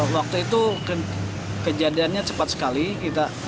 waktu itu kejadiannya cepat sekali